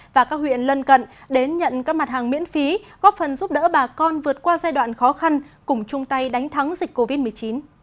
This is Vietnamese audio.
và các huyện lân cận đến nhận các mặt hàng miễn phí góp phần giúp đỡ bà con vượt qua giai đoạn khó khăn cùng chung tay đánh thắng dịch covid một mươi chín